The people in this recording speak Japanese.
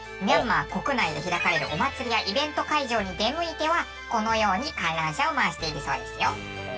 ミャンマー国内で開かれるお祭りやイベント会場に出向いてはこのように観覧車を回しているそうですよ。